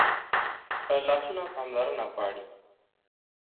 لاسونه پاملرنه غواړي